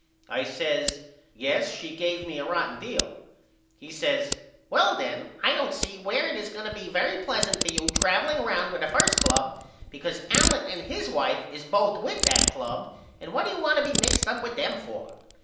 I says Yes she give me a rotten deal. He says Well then I don't see where it is going to be very pleasant for you traveling round with the 1st club because Allen and his wife is both wtih that club and what do you want to be mixed up with them for?